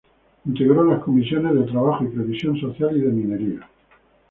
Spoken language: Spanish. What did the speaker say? Integró las Comisiones de Trabajo y Previsión Social y de Minería.